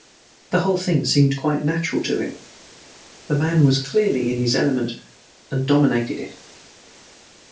The whole thing seemed quite natural to him. The man was clearly in his element and dominated it.